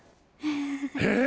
えっ？